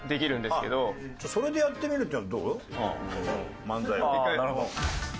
それでやってみるっていうのはどう？